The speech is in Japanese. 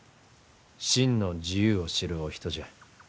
真の自由を知るお人じゃ。